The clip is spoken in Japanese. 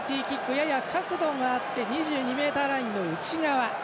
やや角度があって２２ｍラインの内側。